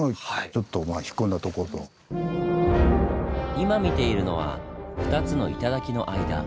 今見ているのは２つの頂の間。